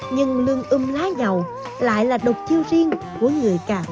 nhưng lương ưm lá dầu lại là độc chiêu riêng